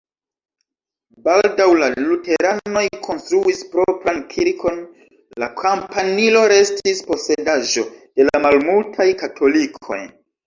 Baldaŭ la luteranoj konstruis propran kirkon, la kampanilo restis posedaĵo de la malmultaj katolikoj.